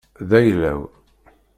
D ayla-w.